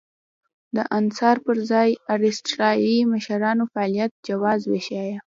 د انحصار پر ځای اسټرالیایي مشرانو فعالیت جواز وېشه.